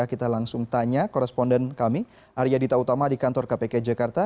kita langsung tanya koresponden kami arya dita utama di kantor kpk jakarta